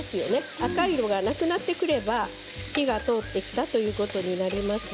赤いのがなくなってくれば火が通ってきたということになります。